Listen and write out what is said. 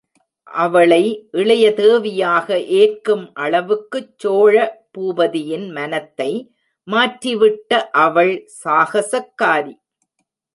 அவளை இளைய தேவியாக ஏற்கும் அளவுக்குச் சோழ பூபதியின் மனத்தை மாற்றிவிட்ட அவள் சாகஸக்காரி!